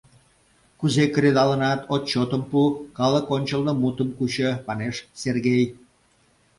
Кузе кредалынат — отчётым пу, калык ончылно мутым кучо! — манеш Сергей.